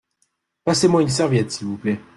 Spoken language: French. Passez-moi une serviette s’il vous plait.